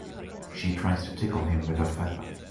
She tries to tickle him with a feather.